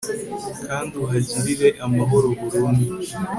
kandi uhagirire amahoro burundu